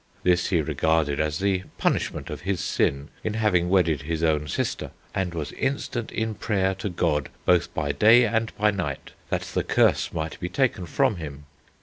This he regarded as the punishment of his sin in having wedded his own sister, and was instant in prayer to God both by day and by night, that the curse might be taken from him.